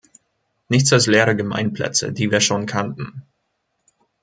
Nichts als leere Gemeinplätze, die wir schon kannten.